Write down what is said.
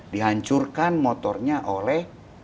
dihancurkan motornya oleh